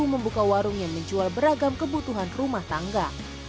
membuka warung yang menjual beragam kebutuhan rumah tangga